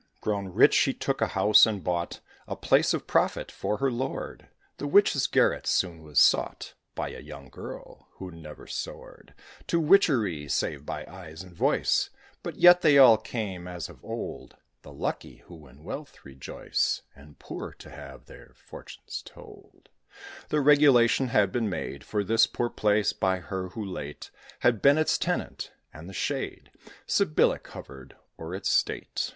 Grown rich, she took a house, and bought A place of profit for her lord. The witch's garret soon was sought By a young girl, who never soared To witchery, save by eyes and voice. But yet they all came, as of old The lucky, who in wealth rejoice, And poor to have their fortunes told. [Illustration: THE FORTUNE TELLER.] The regulation had been made For this poor place, by her who late Had been its tenant; and the shade Sybillic hovered o'er its state.